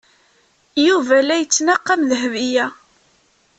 Yuba la yettnaqam Dahbiya.